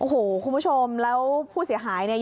โอ้โหคุณผู้ชมแล้วผู้เสียหายเนี่ย